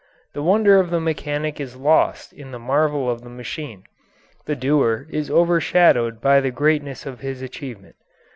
The wonder of the mechanic is lost in the marvel of the machine; the doer is overshadowed by the greatness of his achievement.